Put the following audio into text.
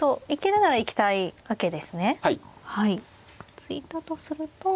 突いたとすると。